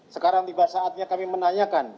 sekarang tiba saatnya kami menanyakan